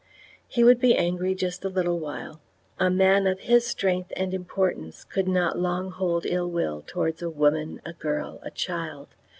He would be angry just a little while a man of his strength and importance could not long hold ill will towards a woman, a girl, a child!